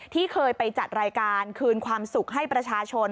ที่เคยไปจัดรายการคืนความสุขให้ประชาชน